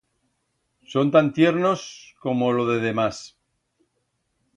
Son tan tiernos como lo de demás.